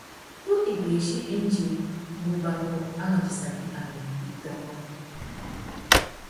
Ku ibirichi indjê, ngu ubamú arandissaki amê i tôngô.